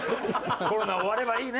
コロナ終わればいいね。